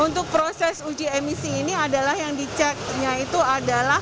untuk proses uji emisi ini adalah yang diceknya itu adalah